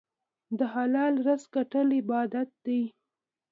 د حلال رزق ګټل عبادت دی.